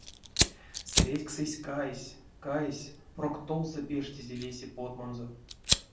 Сэретьксэсь кайсь, кайсь, прок толсо пештизе весе потмонзо.